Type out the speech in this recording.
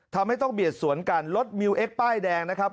ทำให้ต้องเบียดสวนกันรถมิวเอ็กป้ายแดงนะครับ